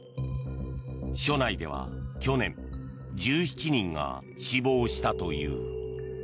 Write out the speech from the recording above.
所内では去年、１７人が死亡したという。